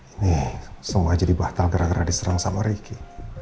ini semua jadi batal gara gara diserang sama ricky